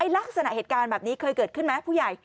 ลักษณะเหตุการณ์แบบนี้เคยเกิดขึ้นไหมผู้ใหญ่